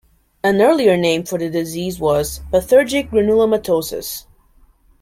An earlier name for the disease was "pathergic granulomatosis".